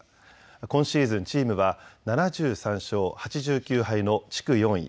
今シーズン、チームは７３勝８９敗の地区４位。